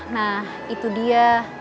nah itu dia